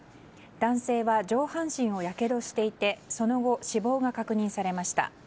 男性は上半身をやけどしていてその後、死亡が確認されました。